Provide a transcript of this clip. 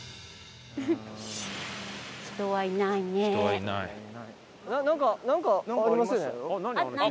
人はいないね。